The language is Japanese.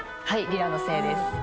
はいリラの精です。